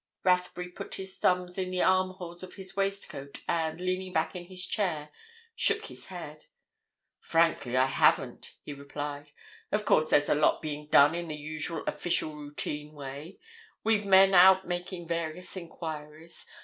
Rathbury put his thumbs in the armholes of his waistcoat and, leaning back in his chair, shook his head. "Frankly, I haven't," he replied. "Of course, there's a lot being done in the usual official routine way. We've men out making various enquiries.